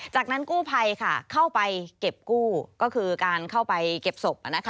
จากนั้นกู้ภัยเข้าไปเก็บกู้ก็คือการเข้าไปเก็บศพ